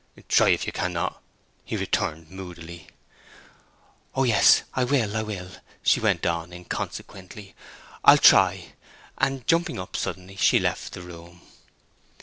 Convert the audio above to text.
"Try if you cannot," he returned, moodily. "Oh yes, I will, I will," she went on, inconsequently. "I'll try;" and jumping up suddenly, she left the room.